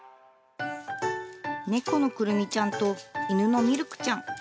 猫のくるみちゃんと犬のみるくちゃん。